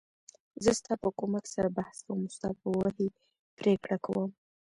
زه ستا په کومک سره بحث کوم او ستا په وحی پریکړه کوم .